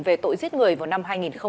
về tội giết người vào năm hai nghìn ba